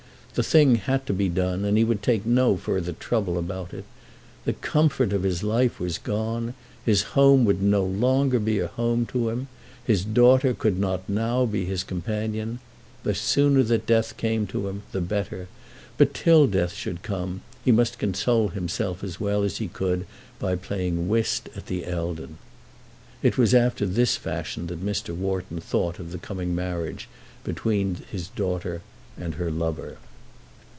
The thing had to be done, and he would take no further trouble about it. The comfort of his life was gone. His home would no longer be a home to him. His daughter could not now be his companion. The sooner that death came to him the better, but till death should come he must console himself as well as he could by playing whist at the Eldon. It was after this fashion that Mr. Wharton thought of the coming marriage between his daughter and her lover.